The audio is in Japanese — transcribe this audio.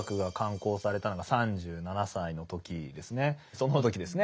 その時ですね